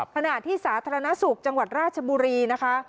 ขณะที่สาธารณสุขจังหวัดราชบุรีนะคะ